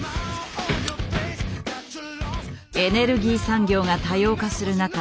エネルギー産業が多様化する中